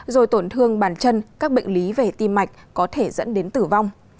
rồi tổn thương bàn chân các bệnh lý về tim mạch có thể dẫn đến tử vong